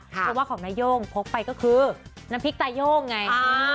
เพราะว่าของนาย่งพกไปก็คือน้ำพริกตาย่งไง